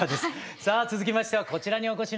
さあ続きましてはこちらにお越しの皆さんです。